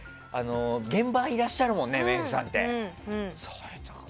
現場にいらっしゃるもんねメイクさんって。